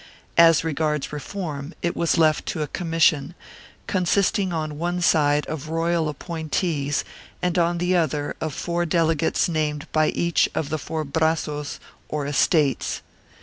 As regards reform, it was left to a commis sion, consisting on one side of royal appointees and on the other of four delegates named by each of the four brazos or estates.